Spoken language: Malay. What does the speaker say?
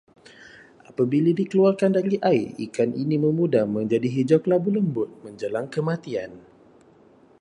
Apabila dikeluarkan dari air, ikan ini memudar menjadi hijau-kelabu lembut menjelang kematian